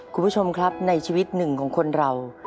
คุณผู้ชมครับในชีวิตหนึ่งของคนเรา